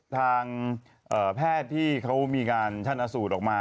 ทางแพทย์ที่เขามีการชันสูตรออกมา